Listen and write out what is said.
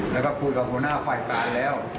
แล้วก็คุยกับหัวหน้าฝ่ายการแล้ว